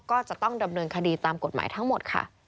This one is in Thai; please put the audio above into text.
ก็จะต้องดำเนินคดีตามกฎหมายทั้งหมดค่ะ